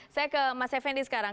saya ke mas effendi sekarang